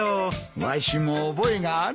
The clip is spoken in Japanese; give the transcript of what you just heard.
わしも覚えがある。